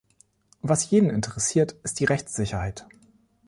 Was jeden interessiert, ist die Rechtssicherheit.